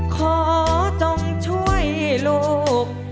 จงช่วยลูก